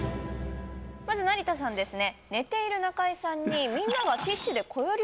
まず成田さんですね